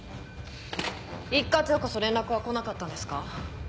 一課長こそ連絡は来なかったんですか？